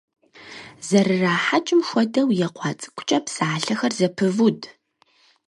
ЗэрырахьэкӀым хуэдэу екъуа цӀыкӀукӏэ псалъэхэр зэпывуд.